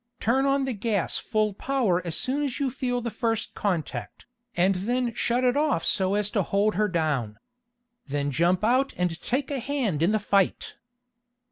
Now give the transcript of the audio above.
Turn on the gas full power as soon as you feel the first contact, and then shut it off so as to hold her down. Then jump out and take a hand in the fight!"